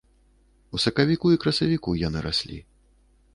У сакавіку і красавіку яны раслі.